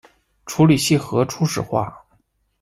处理器核初始化